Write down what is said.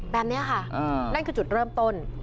แบบนี้ค่ะนั่นคือจุดเริ่มต้น